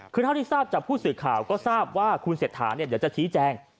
คือเท่าที่ทราบจากผู้สื่อข่าวก็ทราบว่าคุณเศรษฐาเดี๋ยวจะชี้แจง